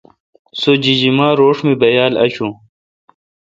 سو جیجما روݭ می بیال اشو۔